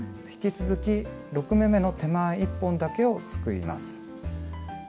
引き続き６目めの手前１本だけをすくいます。